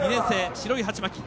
白い鉢巻き。